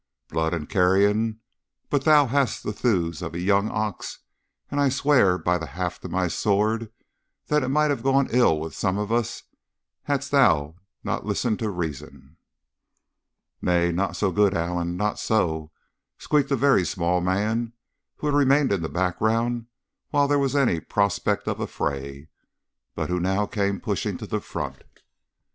Blood and carrion! but thou hast the thews of a young ox; and I swear, by the haft of my sword, that it might have gone ill with some of us hadst thou not listened to reason!' "'Nay, not so, good Allen not so,' squeaked a very small man, who had remained in the background while there was any prospect of a fray, but who now came pushing to the front.